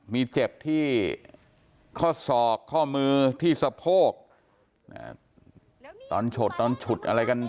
มีเจ็บที่ข้อศอกข้อมือที่สะโพกตอนฉดตอนฉุดอะไรกัน